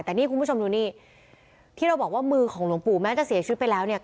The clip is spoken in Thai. แต่นี่คุณผู้ชมดูนี่ที่เราบอกว่ามือของหลวงปู่แม้จะเสียชีวิตไปแล้วเนี่ย